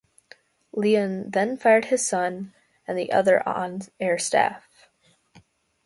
Leon then fired his son and the other on-air staff.